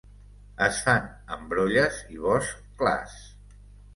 Es fa en brolles i boscs clars.